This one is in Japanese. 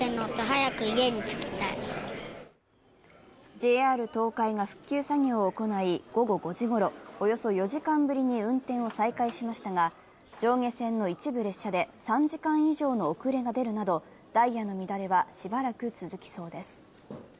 ＪＲ東海が復旧作業を行い、午後５時ごろ、およそ４時間ぶりに運転を再開しましたが上下線の一部列車で３時間以上の遅れが出るなどダイヤの乱れは、しばらく続きそうです。